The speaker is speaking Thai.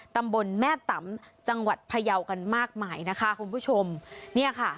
ตำบลแม่ตำจังหวัดพยาวกันมากมายนะคะคุณผู้ชมเนี่ยค่ะ